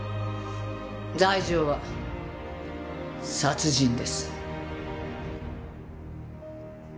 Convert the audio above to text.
罪状は殺人です。